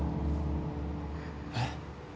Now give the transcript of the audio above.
えっ？